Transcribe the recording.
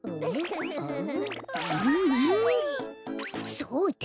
そうだ！